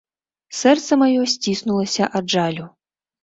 Сэрца маё сціснулася ад жалю.